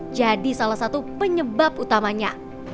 jadi salah satu penyebab utamanya